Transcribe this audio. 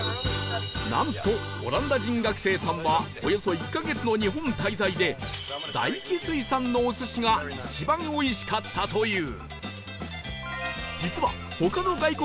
なんとオランダ人学生さんはおよそ１カ月の日本滞在で大起水産のお寿司が一番おいしかったという